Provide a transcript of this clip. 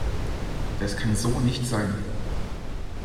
Das kann so nicht sein.